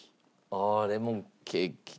ああレモンケーキ。